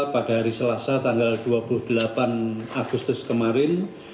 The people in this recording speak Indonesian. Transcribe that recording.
pada hari selasa tanggal dua puluh delapan agustus kemarin